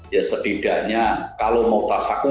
ya setidaknya kalau mau tasakkan